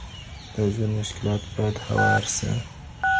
د ژوند مشکلات بايد هوار سي.